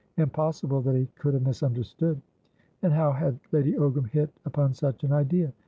Impossible that he could have misunderstood. And how had Lady Ogram hit upon such an idea?